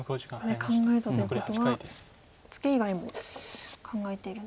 ここで考えたということはツケ以外も考えているんでしょうか。